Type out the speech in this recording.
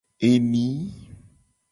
Eni.